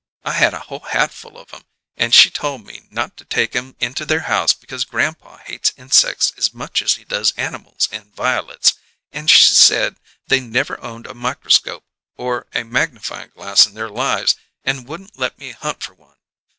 I had a whole hatful of 'em, and she told me not to take 'em into their house, because grandpa hates insecks as much as he does animals and violets, and she said they never owned a microscope or a magnifying glass in their lives, and wouldn't let me hunt for one.